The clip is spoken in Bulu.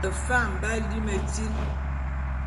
Befam b'á lí metíl.